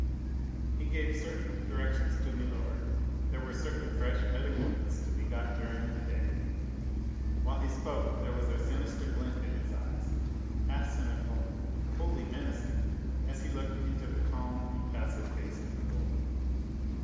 He gave certain directions to milor there were certain fresh medicaments to be got during the day. While he spoke there was a sinister glint in his eyes half cynical, wholly menacing as he looked up into the calm, impassive face of milor.